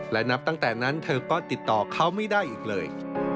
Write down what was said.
และนับตั้งแต่นั้นเธอก็ติดต่อเขาไม่ได้อีกเลย